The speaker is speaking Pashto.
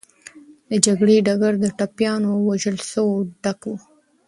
د جګړې ډګر د ټپيانو او وژل سوو ډک و.